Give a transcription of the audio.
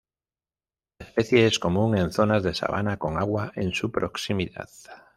La especie es común en zonas de sabana con agua en su proximidad.